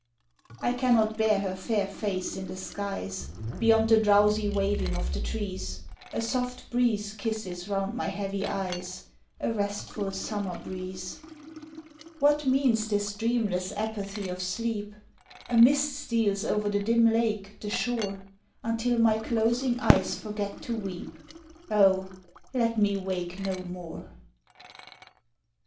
I cannot bear her fair face in the skies Beyond the drowsy waving of the trees, A soft breeze kisses round my heavy eyes, A restful summer breeze. What means this dreamless apathy of sleep? A mist steals over the dim lake, the shore, Until my closing eyes forget to weep Oh, let me wake no more!